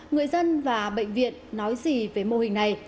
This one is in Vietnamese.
người dân và bệnh viện nói gì về mô hình này